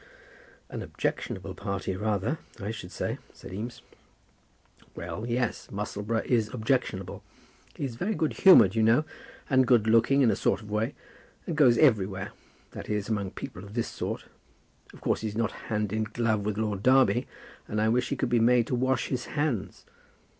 "An objectionable party, rather, I should say," said Eames. "Well, yes; Musselboro is objectionable. He's very good humoured you know, and good looking in a sort of way, and goes everywhere; that is among people of this sort. Of course he's not hand and glove with Lord Derby; and I wish he could be made to wash his hands.